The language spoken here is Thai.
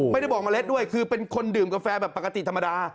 ไม่ได้บอกเมล็ดด้วยคือเป็นคนดื่มกาแฟแบบปกติธรรมดา